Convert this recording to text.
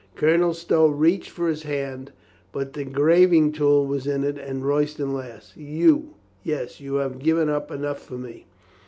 Colonel Stow reached for his hand, but the grav ing tool was in it and Royston laughed. "You. Yes, you have given up enough for me."